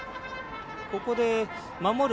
ここで守る